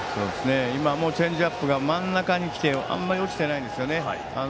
今もチェンジアップが真ん中に来てあまり落ちていないんですね。